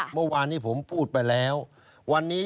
เมื่อวานนี้ผมพูดไปแล้ว